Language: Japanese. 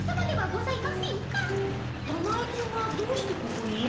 たまえくんがどうしてここに？